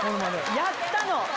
やったの！